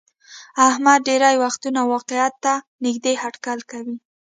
احمد ډېری وختونه واقعیت ته نیږدې هټکل کوي.